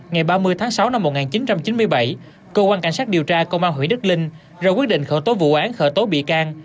ngày ba mươi tháng sáu năm một nghìn chín trăm chín mươi bảy cơ quan cảnh sát điều tra công an huyện đức linh ra quyết định khởi tố vụ án khởi tố bị can